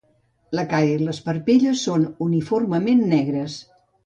La cara i les parpelles són uniformement negres.